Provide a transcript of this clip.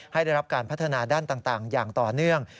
ให้ได้รับการพัฒนาด้านต่างอย่างต่อเนื่อง